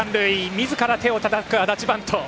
みずから手をたたく安達バント。